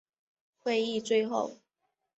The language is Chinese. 会议最后